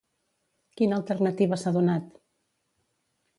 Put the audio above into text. Quina alternativa s'ha donat?